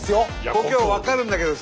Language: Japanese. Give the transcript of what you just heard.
故郷分かるんだけどさ。